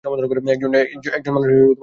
একজন মানুষের আর কী লাগে।